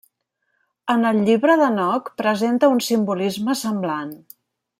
En el Llibre d'Henoc presenta un simbolisme semblant.